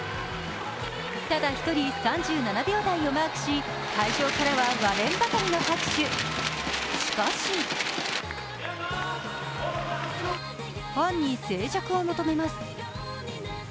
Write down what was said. ただ一人３７秒台をマークし会場からは割れんばかりの拍手、しかしファンに静寂を求めます。